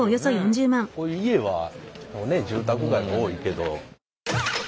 こう家は住宅街が多いけど。